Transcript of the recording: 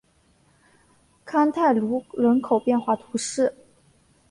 康泰卢人口变化图示